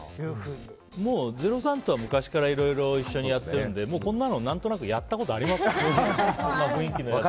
もう０３とは昔からいろいろ一緒にやってるんでもうこんなの何となくやったことありますよ。